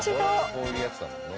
こういうやつだもんね。